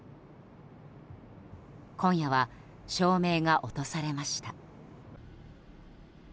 今夜は照明が落とされました。